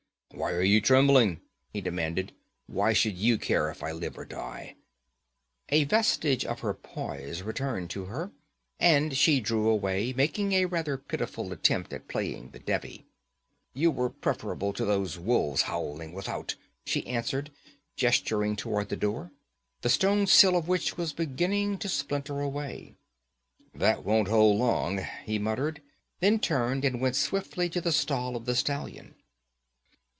'Why are you trembling?' he demanded. 'Why should you care if I live or die?' A vestige of her poise returned to her, and she drew away, making a rather pitiful attempt at playing the Devi. 'You are preferable to those wolves howling without,' she answered, gesturing toward the door, the stone sill of which was beginning to splinter away. 'That won't hold long,' he muttered, then turned and went swiftly to the stall of the stallion.